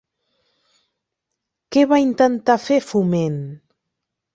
Què va intentar fer Foment?